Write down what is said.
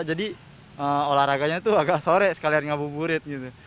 jadi olahraganya tuh agak sore sekalian ngabuburit gitu